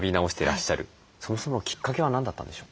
そもそものきっかけは何だったんでしょう？